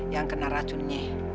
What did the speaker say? yang kena racunnya